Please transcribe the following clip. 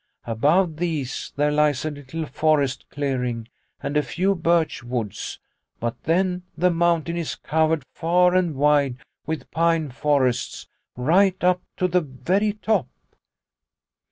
Above these there lies a little forest clearing and a few birch woods, but then the mountain is covered far and wide with pine forests right up to the very top."